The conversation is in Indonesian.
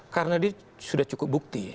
karena dia sudah cukup bukti